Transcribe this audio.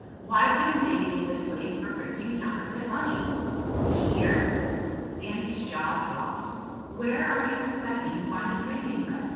Why wouldn't they be a good place for printing counterfeit money?" "Here?" Sandy's jaw dropped. "Where are you expecting to find the printing press?